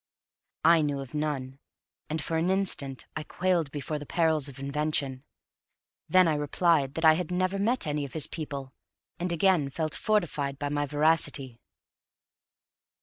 I knew of none, and for an instant I quailed before the perils of invention; then I replied that I had never met any of his people, and again felt fortified by my veracity.